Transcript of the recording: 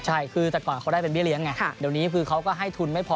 ใช่คือแต่ก่อนเขาได้เป็นเบี้ยเลี้ยงไงเดี๋ยวนี้คือเขาก็ให้ทุนไม่พอ